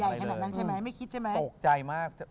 ขนาดนั้นใช่ไหมไม่คิดใช่ไหมตกใจมาก